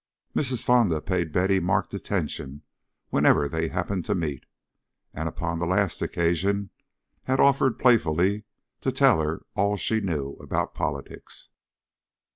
Mrs. Fonda paid Betty marked attention whenever they happened to meet, and upon the last occasion had offered playfully to tell her "all she knew" about politics.